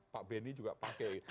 pak beni juga pakai